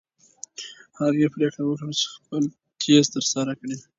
هغې پرېکړه وکړه چې خپل تیزیس ترسره کړي.